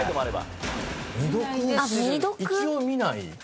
未読一応見ない？